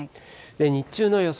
日中の予想